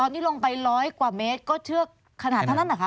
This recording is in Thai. หันไป๑๐๐กว่าเมตรก็เชือกขนาดเท่านั้นหรือคะ